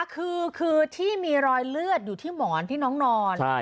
คือที่มีรอยเลือดอยู่ที่หมอนที่น้องนอน